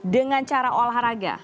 dengan cara olahraga